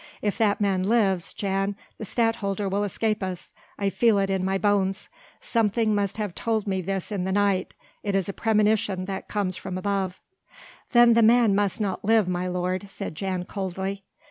If that man lives, Jan, the Stadtholder will escape us; I feel it in my bones: something must have told me this in the night it is a premonition that comes from above." "Then the man must not live, my lord," said Jan coldly.